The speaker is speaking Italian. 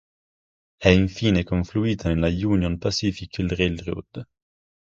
È infine confluita nella Union Pacific Railroad.